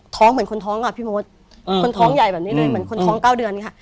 เหมือนคนท้องอ่ะพี่มดคนท้องใหญ่แบบนี้เลยเหมือนคนท้อง๙เดือนค่ะ